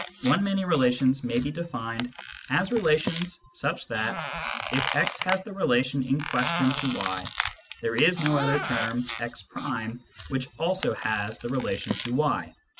One many relations may be defined as relations such that, if x has the relation in question to y, there is no other term x' which also has the relation to y.